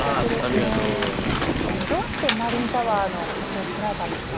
どうしてマリンタワーの曲を作られたんですか？